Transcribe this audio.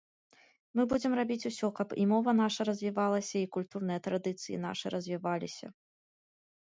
Мы будзем рабіць усё, каб і мова наша развівалася, і культурныя традыцыі нашы развіваліся.